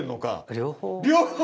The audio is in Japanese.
両方。